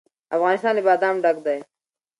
افغانستان له بادام ډک دی.